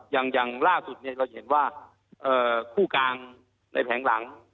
อย่างล่าสุดเราจะเห็นว่าคู่กลางในแผงหลัง